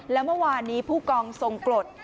และเมื่อวานนี้ผู้กองทรงกรด